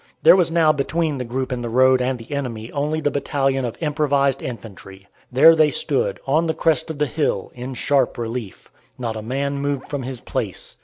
There was now between the group in the road and the enemy only the battalion of improvised infantry. There they stood, on the crest of the hill, in sharp relief. Not a man moved from his place.